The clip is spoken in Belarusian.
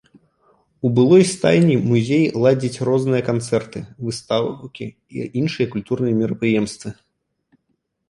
У былой стайні музей ладзіць розныя канцэрты, выстаўкі і іншыя культурныя мерапрыемствы.